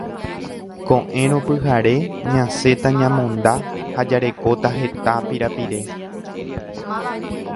Ko'ẽrõ pyhare ñasẽta ñamonda ha jarekóta heta pirapire